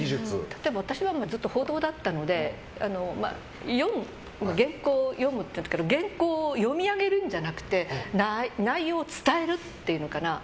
例えば、私なんかはずっと報道だったので原稿を読む原稿を読み上げるんじゃなくて内容を伝えるっていうのかな。